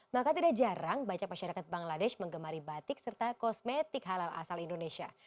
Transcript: maka tidak jarang banyak masyarakat bangladesh mengemari batik serta kosmetik halal asal indonesia